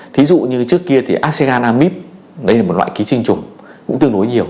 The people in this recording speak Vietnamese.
thí dụ như trước kia thì áp xe gan amip đấy là một loại ký sinh trùng cũng tương đối nhiều